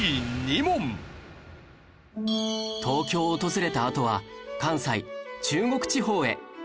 東京を訪れたあとは関西・中国地方へ